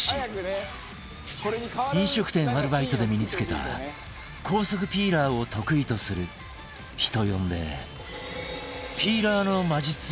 飲食店のアルバイトで身に付けた高速ピーラーを得意とする人呼んで